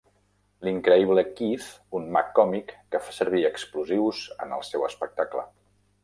L'increïble Keith: un mag còmic que fa servir explosius en el seu espectacle.